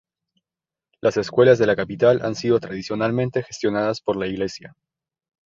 Las escuelas de la capital han sido tradicionalmente gestionadas por la iglesia.